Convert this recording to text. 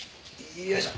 よいしょ！